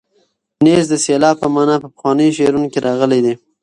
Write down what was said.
نیز د سیلاب په مانا په پخوانیو شعرونو کې راغلی دی.